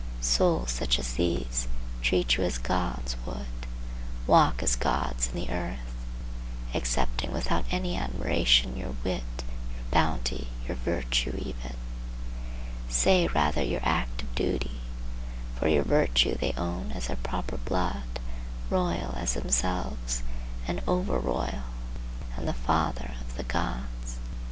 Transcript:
Souls such as these treat you as gods would, walk as gods in the earth, accepting without any admiration your wit, your bounty, your virtue even,—say rather your act of duty, for your virtue they own as their proper blood, royal as themselves, and over royal, and the father of the gods.